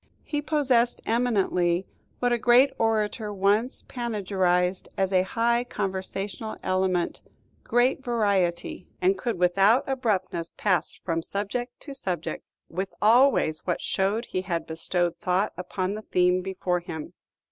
He possessed eminently, what a great orator once panegyrized as a high conversational element, "great variety," and could without abruptness pass from subject to subject, with always what showed he had bestowed thought upon the theme before him.